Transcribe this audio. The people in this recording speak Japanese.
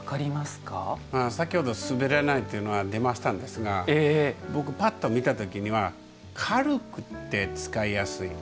先ほど滑らないっていうのが出ましたんですが僕パッと見た時には軽くて使いやすい。